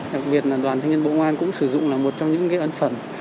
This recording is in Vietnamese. đặc biệt là đoàn thanh niên bộ ngoan cũng sử dụng là một trong những ấn phẩm